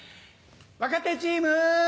若手チーム！